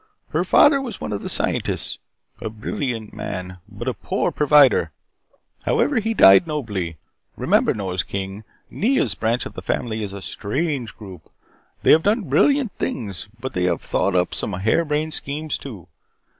Her father was one of the Scientists. A brilliant man but a poor provider. However, he died nobly. Remember, Nors King, Nea's branch of the family is a strange group. They have done brilliant things, but they have thought up some hare brained schemes, too.